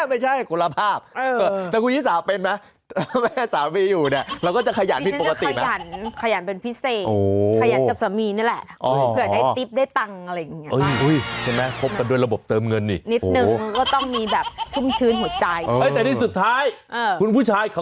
ไม่ใช่กุลภาพเออแต่คุณยี่สาวเป็นมั้ยแม่สาวมีอยู่เนี่ยเราก็จะขยันผิดปกติมั้ยขยันขยันเป็นพิเศษโอ้ขยันกับสามีนี่แหละอ๋อเผื่อให้ติ๊บได้ตังค์อะไรอย่างเงี้ยอุ้ยอุ้ยเห็นมั้ยคบกันด้วยระบบเติมเงินนี่นิดนึงก็ต้องมีแบบชุ่มชื้นหัวใจเออแต่ที่สุดท้ายเออ